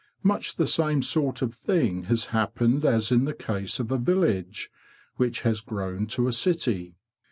Much the same sort of thing has happened as in the case of a village which has grown to a city.